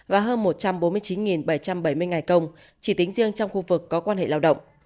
và hơn một trăm bốn mươi chín bảy trăm bảy mươi ngày công chỉ tính riêng trong khu vực có quan hệ lao động